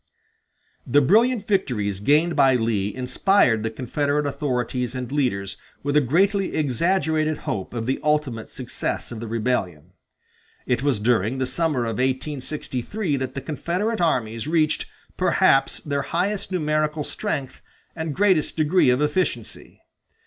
The brilliant victories gained by Lee inspired the Confederate authorities and leaders with a greatly exaggerated hope of the ultimate success of the rebellion. It was during the summer of 1863 that the Confederate armies reached, perhaps, their highest numerical strength and greatest degree of efficiency.